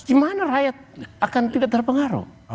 gimana rakyat akan tidak terpengaruh